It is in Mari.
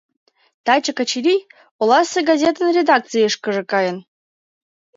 Таче Качырий оласе газетын редакцийышкыже каен.